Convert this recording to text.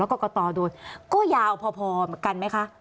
แล้วกฎาก็ยาวพอเหมือนกันไหมคะ